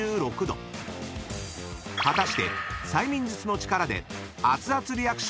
［果たして催眠術の力で］